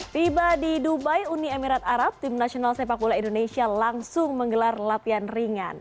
tiba di dubai uni emirat arab tim nasional sepak bola indonesia langsung menggelar latihan ringan